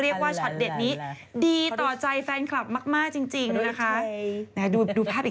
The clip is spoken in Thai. เรียกว่าชอตเด็ดนี้ดีต่อใจแฟนคลับมากจริงนะคะ